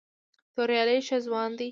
توریالی ښه ځوان دی.